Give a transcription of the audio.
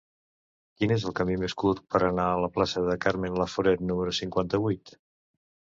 Quin és el camí més curt per anar a la plaça de Carmen Laforet número cinquanta-vuit?